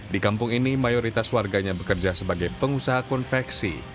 di kampung ini mayoritas warganya bekerja sebagai pengusaha konveksi